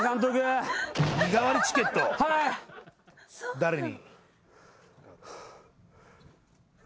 誰に？